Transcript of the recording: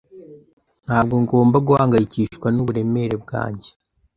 Ntabwo ngomba guhangayikishwa n'uburemere bwanjye.